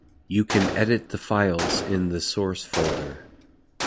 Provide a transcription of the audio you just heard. You can edit the files in the source folder